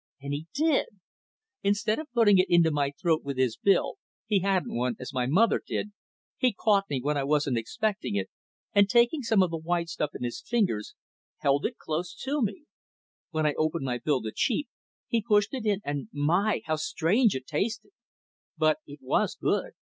And he did! Instead of putting it into my throat with his bill he hadn't one as my mother did, he caught me when I wasn't expecting it, and taking some of the white stuff in his fingers, held it close to me. When I opened my bill to cheep, he pushed it in, and my! how strange it tasted. But it was good.